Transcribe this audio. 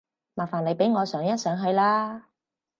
麻煩你俾我上一上去啦